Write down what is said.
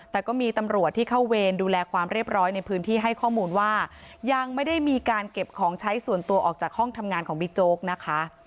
แต่ก็มีตำรวจที่เข้าเวรดูแลความเรียบร้อยในพื้นที่ให้ข้อมูลว่ายังไม่ได้มีการเก็บของใช้ส่วนตัวออกจากห้องทำงานของบิ๊กโจ๊กนะคะ